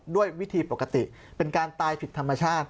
ด้วยวิธีปกติเป็นการตายผิดธรรมชาติ